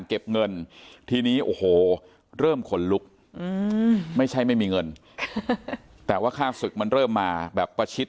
เก็บเงินทีนี้โอ้โหเริ่มขนลุกไม่ใช่ไม่มีเงินแต่ว่าค่าศึกมันเริ่มมาแบบประชิด